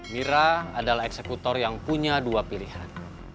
mira adalah eksekutor yang punya dua pilihan